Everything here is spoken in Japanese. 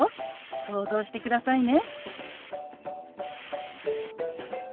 想像してくださいね。